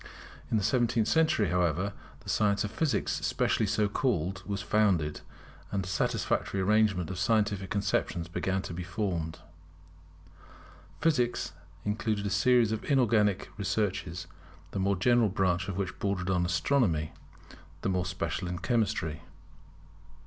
In the seventeenth century, however, the science of Physics specially so called, was founded; and a satisfactory arrangement of scientific conceptions began to be formed. Physics included a series of inorganic researches, the more general branch of which bordered on Astronomy, the more special on Chemistry.